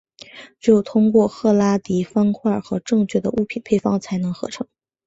只有通过赫拉迪方块和正确的物品配方才能合成。